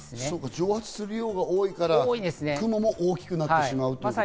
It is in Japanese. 蒸発する量が多いから雲も大きくなってしまう。